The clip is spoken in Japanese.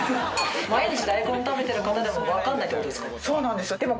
そうなんですよ。